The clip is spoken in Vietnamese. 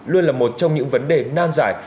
luôn là một trong những vấn đề nan giải